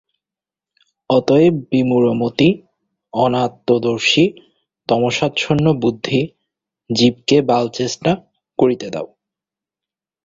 অতএব বিমূঢ়মতি অনাত্মদর্শী তমসাচ্ছন্নবুদ্ধি জীবকে বালচেষ্টা করিতে দাও।